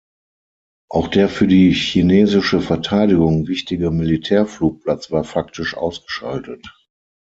Auch der für die chinesische Verteidigung wichtige Militärflugplatz war faktisch ausgeschaltet.